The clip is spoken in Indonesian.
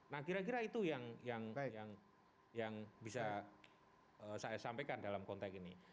nah kira kira itu yang bisa saya sampaikan dalam konteks ini